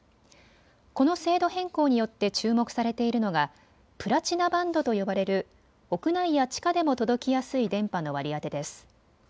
この制度変更によって注目されているのがプラチナバンドと呼ばれる屋内や地下でも届きやすい電波の割り当てです。